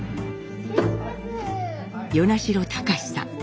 与那城智さん。